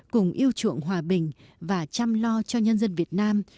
cùng yêu chuộng hòa bình và chăm lo cho nhân dân việt nam